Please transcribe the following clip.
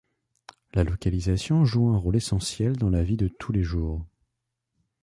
La localisation joue un rôle essentiel dans la vie de tous les jours.